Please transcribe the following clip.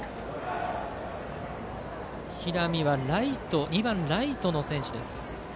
平見は２番ライトの選手です。